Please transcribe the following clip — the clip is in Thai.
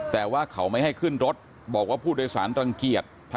แต่ว่าเขาไม่ให้ขึ้นรถบอกว่าผู้โดยสารรังเกียจ